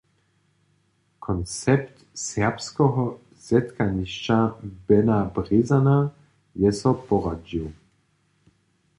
Koncept serbskeho zetkanišća Bena Brězana je so poradźił.